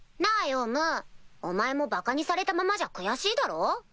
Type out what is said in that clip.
ヨウムお前もバカにされたままじゃ悔しいだろ？